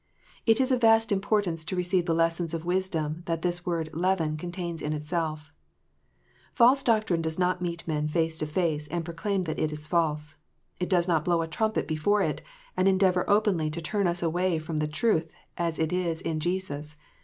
It is of vast importance to receive the lessons of wisdom that this word "leaven" contains in itself. False doctrine does not meet men face to face, and proclaim that it is false. It does not blow a trumpet before it, and endeavour openly to turn us away from the truth as it is in Jesus.